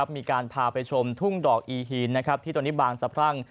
มีการพาไปชมทุ่งดอกอีฮีนที่ตอนนี้บางสะพรั่ง